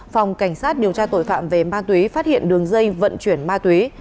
phòng cảnh sát điều tra tội phạm về ma túy phát hiện đường dây vận chuyển ma túy